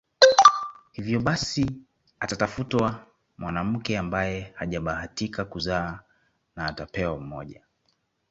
Hivyo basi atatafutwa mwanamke ambaye hajabahatika kuzaa na atapewa mmoja